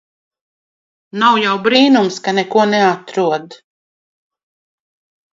Nav jau brīnums ka neko neatrod.